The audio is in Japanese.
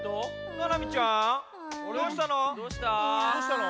ななみちゃんどうしたの？